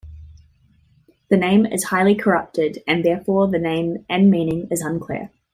The name is highly corrupted, and therefore the name and meaning is unclear.